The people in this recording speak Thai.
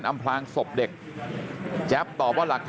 ลูกสาวหลายครั้งแล้วว่าไม่ได้คุยกับแจ๊บเลยลองฟังนะคะ